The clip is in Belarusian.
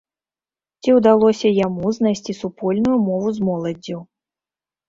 Ці ўдалося яму знайсці супольную мову з моладдзю?